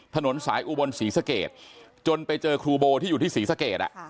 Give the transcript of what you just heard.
ถนนศาอีวบนศรีเสกตจนไปเจอครูโบ้ที่อยู่ที่ศรีเสกตแหละ